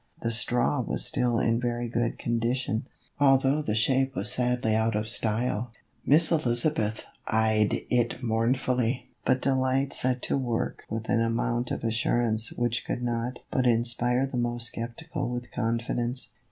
The straw was still in very good condition, although the shape was sadly out of style. Miss Eliza beth eyed it mournfully, but Delight set to work with an amount of assurance which could not but inspire the most skeptical with confidence.